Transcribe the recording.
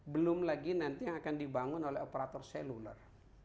belum lagi nanti yang akan dibangun oleh operator seluler